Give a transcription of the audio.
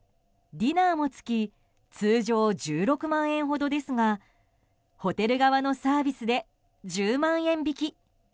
ディナーも付き通常１６万円ほどですがホテル側のサービスで１０万円引き。